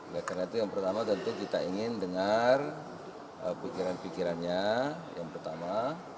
karena itu yang pertama tentu kita ingin dengar pikiran pikirannya yang pertama